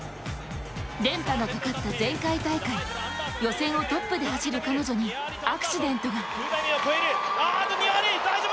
連覇のかかった前回大会、予選をトップで走る彼女にアクシデントが。